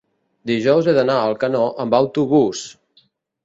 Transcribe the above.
dijous he d'anar a Alcanó amb autobús.